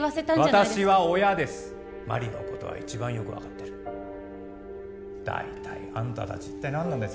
私は親です麻里のことは一番よく分かってる大体あんた達一体何なんです？